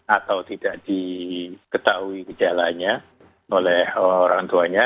atau tidak diketahui gejalanya oleh orang tuanya